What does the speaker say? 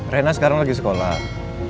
rena sekarang lagi sekolah